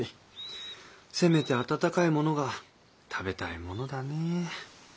せめて温かいものが食べたいものだねえ。